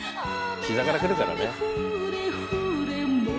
膝からくるからね。